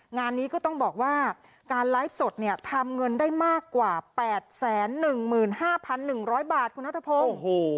งานนี้ก็ต้องบอกว่าการไลฟ์สดเนี่ยทำเงินได้มากกว่าแปดแสนหนึ่งหมื่นห้าพันหนึ่งร้อยบาทคุณธพงศ์